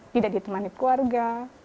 tidak ditemani keluarga